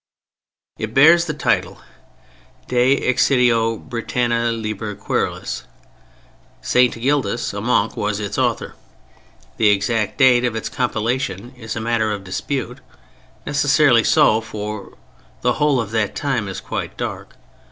It bears the title, De Excidio Brittaniæ Liber Querulus. St. Gildas, a monk, was its author. The exact date of its compilation is a matter of dispute—necessarily so, for the whole of that time is quite dark.